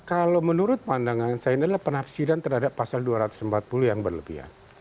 kalau menurut pandangan saya ini adalah penafsiran terhadap pasal dua ratus empat puluh yang berlebihan